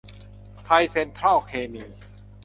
ไทยเซ็นทรัลเคมี